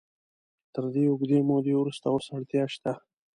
تر دې اوږدې مودې وروسته اوس اړتیا شته.